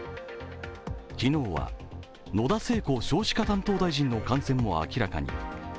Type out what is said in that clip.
昨日は野田聖子少子化担当大臣の感染も明らかに。